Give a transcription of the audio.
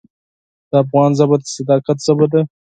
د افغان ژبه د صداقت ژبه ده.